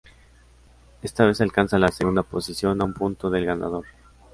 Esta vez alcanza la segunda posición, a un punto del ganador.